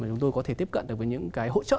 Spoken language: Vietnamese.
để chúng tôi có thể tiếp cận được với những cái hỗ trợ